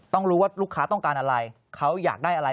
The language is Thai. ต้องรู้ว่าลูกค้าต้องการอะไรเขาอยากได้อะไร